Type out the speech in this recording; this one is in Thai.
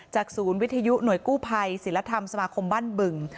ศูนย์วิทยุหน่วยกู้ภัยศิลธรรมสมาคมบ้านบึง